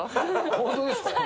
本当ですか？